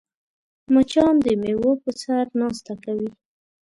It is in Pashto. مچان د میوو په سر ناسته کوي